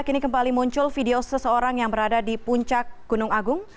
kini kembali muncul video seseorang yang berada di puncak gunung agung